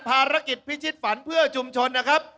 ภารกิจพิชิตฝันเพื่อชุมชนนะครับ